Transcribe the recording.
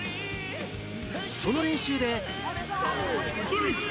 その練習で。